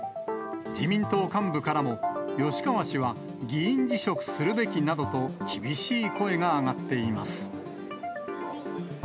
自民党幹部からも、吉川氏は議員辞職するべきなどと厳しい声が上がっています。